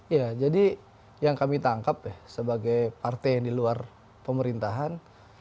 ya jadi yang kami tangkap ya sebagai partai yang di luar pemerintahan